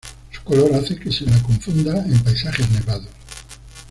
Su color hace que se la confunda en paisajes nevados.